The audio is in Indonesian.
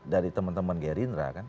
dari teman teman gerindra kan